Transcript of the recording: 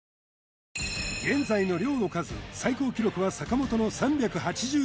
現在の良の数最高記録は坂本の３８１